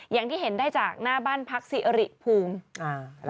อย่างที่เห็นได้จากหน้าบ้านพักสิริภูมิอ่า